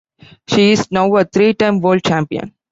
She is now a three time World Champion.